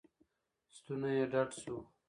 ستونی یې ډډ شو.